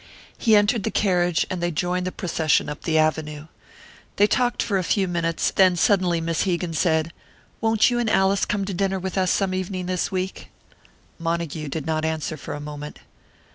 He entered the carriage, and they joined the procession up the Avenue. They talked for a few minutes, then suddenly Miss Hegan said, "Won't you and Alice come to dinner with us some evening this week?" Montague did not answer for a moment.